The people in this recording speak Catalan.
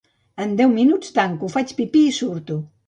En deu minuts tanco, faig pipí, i surto